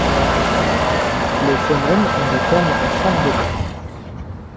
Les femelles ont des cornes de en forme de lyre.